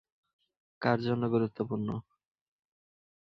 কার জন্য গুরুত্বপূর্ণ?